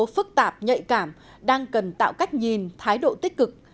phức tạp nhạy cảm đang cần tạo cách nhìn thái độ tích cực